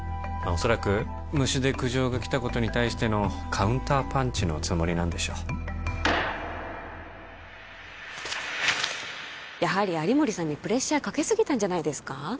おそらく虫で苦情が来たことに対してのカウンターパンチのつもりなんでしょうやはり有森さんにプレッシャーかけすぎたんじゃないですか？